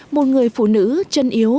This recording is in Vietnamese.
một người phụ nữ chân yếu